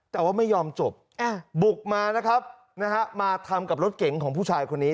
แต่ว่าไม่ยอมจบบุกมานะครับมาทำกับรถเก๋งของผู้ชายคนนี้